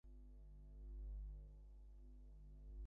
পুনরায় আমার চিরকৃতজ্ঞতা গ্রহণ করুন।